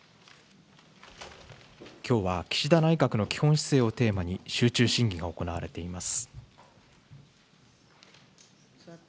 きょうは岸田内閣の基本姿勢をテーマに集中審議が行われています。